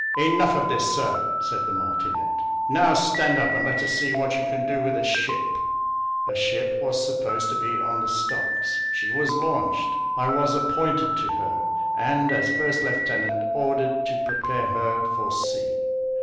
"Enough of this, Sir," said the martinet: "now stand up, and let us see what you can do with a ship." A ship was supposed to be on the stocks; she was launched; I was appointed to her, and, as first lieutenant, ordered to prepare her for sea.